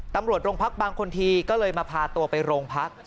ตำรวจโรงพักบางคนทีก็เลยมาพาตัวไปโรงพัก